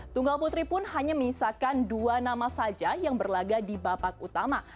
tunggal putri pun hanya menyisakan dua nama saja yang berlaga di babak utama